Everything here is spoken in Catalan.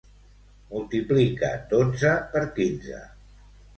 Multiplica dotze per quinze.